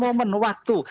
tidak akan menentukan waktu